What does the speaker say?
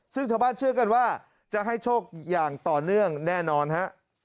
ซึ่งชาวบ้านเชื่อกันว่าจะให้โชคอย่างต่อเนื่องแน่นอนฮะ